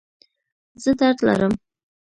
زه درد لرم